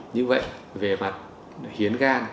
như vậy về mặt hiến gan